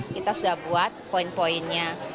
kita sudah buat poin poinnya